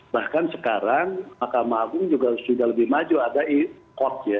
bahkan sekarang mahkamah agung juga sudah lebih maju ada e court ya